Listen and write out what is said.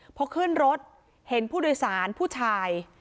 พอขึ้นรถเห็นผู้โดยสารผู้ชาย